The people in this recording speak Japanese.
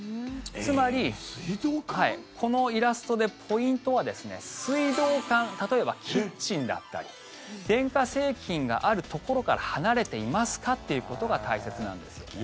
つまりこのイラストでポイントは水道管例えばキッチンだったり電化製品があるところから離れていますかっていうことが大切なんですよね。